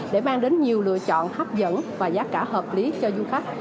để mang đến nhiều lựa chọn hấp dẫn và giá cả hợp lý cho du khách